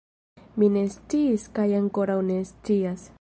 Mi ne sciis kaj ankoraŭ ne scias.